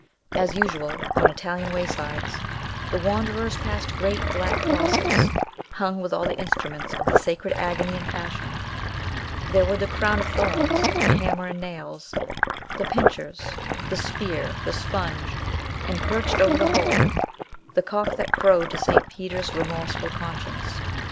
As usual on Italian waysides, the wanderers passed great, black crosses, hung with all the instruments of the sacred agony and passion: there were the crown of thorns, the hammer and nails, the pincers, the spear, the sponge; and perched over the whole, the cock that crowed to St. Peter's remorseful conscience.